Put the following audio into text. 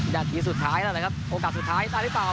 ดังนี้สุดท้ายแล้วแหละครับโอกาสสุดท้ายตายหรือเปล่า